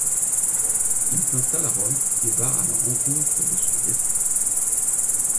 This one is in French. Il s'installe à Rome et va à la rencontre de son destin.